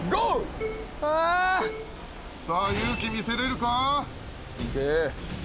さあ、勇気見せれるか。